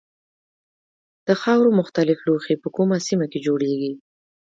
د خاورو مختلف لوښي په کومه سیمه کې جوړیږي.